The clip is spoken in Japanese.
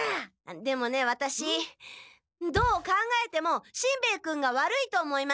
でもねワタシどう考えてもしんべヱ君が悪いと思います。